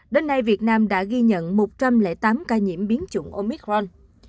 đến nay việt nam đã ghi nhận một trăm linh tám ca nhiễm biến chủng omitron